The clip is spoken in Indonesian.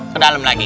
ke dalam lagi